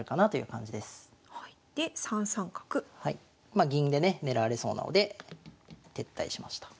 まあ銀でね狙われそうなので撤退しました。